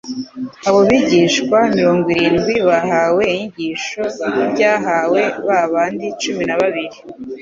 Abo bigishwa mirongo irindwi bahawe ibyigisho nk'ibyahawe babandi cumi na babiri;